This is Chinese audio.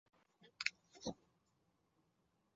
长柄婆婆纳为车前草科婆婆纳属下的一个种。